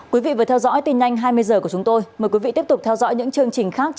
quý vị vừa theo dõi tin nhanh hai mươi h của chúng tôi mời quý vị tiếp tục theo dõi những chương trình khác